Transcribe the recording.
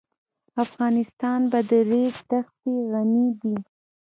افغانستان په د ریګ دښتې غني دی.